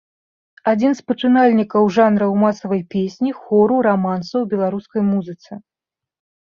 Адзін з пачынальнікаў жанраў масавай песні, хору, раманса ў беларускай музыцы.